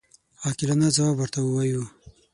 عاقلانه ځواب ورته ووایو.